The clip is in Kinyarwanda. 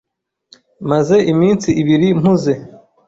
Maze iminsi ibiri mpuze.